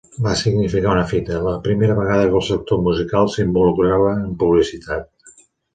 Va significar una fita: la primera vegada que el sector musical s'involucrava en publicitat.